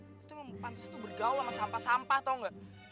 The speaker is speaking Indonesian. lo tuh mah pantes tuh bergaul sama sampah sampah tau gak